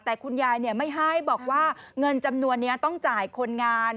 แต่คุณยายไม่ให้บอกว่าเงินจำนวนนี้ต้องจ่ายคนงาน